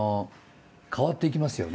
変わっていきますよね。